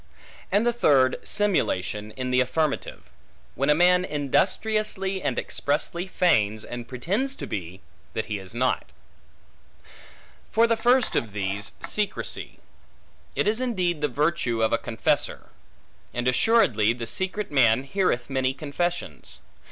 And the third, simulation, in the affirmative; when a man industriously and expressly feigns and pretends to be, that he is not. For the first of these, secrecy; it is indeed the virtue of a confessor. And assuredly, the secret man heareth many confessions.